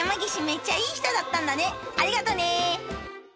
めっちゃいい人だったんだねありがとね